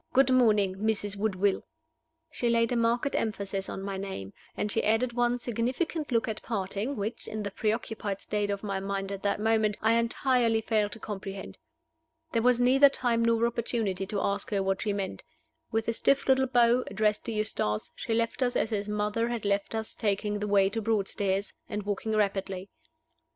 Good morning, Mrs. Woodville." She laid a marked emphasis on my name, and she added one significant look at parting, which (in the preoccupied state of my mind at that moment) I entirely failed to comprehend. There was neither time nor opportunity to ask her what she meant. With a stiff little bow, addressed to Eustace, she left us as his mother had left us taking the way to Broadstairs, and walking rapidly.